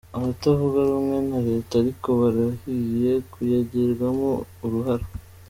Abatavuga rumwe na reta ariko, barahiye kuyagiramwo uruhara.